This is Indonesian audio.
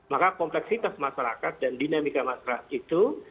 maka kompleksitas masyarakat dan dinamika masyarakat itu